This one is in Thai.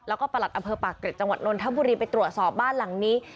แล้วก็ประหลัดอำเภอปากเกร็จจังหวัดนนทบุรีไปตรวจสอบบ้านหลังนี้